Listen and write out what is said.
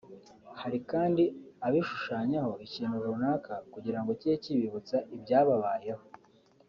Hari kandi abishushanyaho ikintu runaka kugira ngo kijye kibibutsa ibyababayeho